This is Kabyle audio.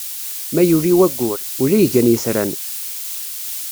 Ma yuli waggur, ula igan itran.